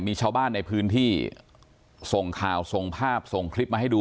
มีชาวบ้านในพื้นที่ส่งข่าวส่งภาพส่งคลิปมาให้ดู